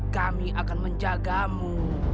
kami akan menjagamu